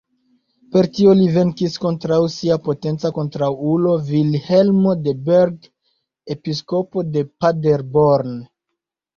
Per tio li venkis kontraŭ sia potenca kontraŭulo Vilhelmo de Berg, episkopo de Paderborn.